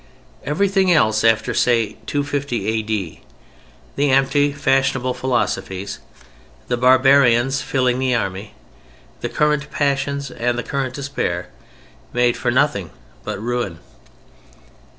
Everything else, after, say, 250 A.D., the empty fashionable philosophies, the barbarians filling the army, the current passions and the current despair, made for nothing but ruin.